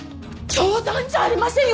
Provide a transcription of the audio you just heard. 冗談じゃありませんよ！